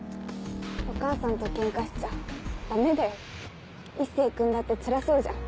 お母さんとケンカしちゃダメ一星君だってつらそうじゃん